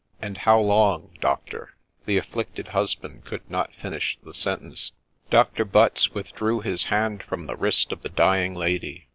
' And how long, Doctor — T ' The afflicted husband could not finish the sentence. Doctor Butts withdrew his hand from the wrist of the dying lady.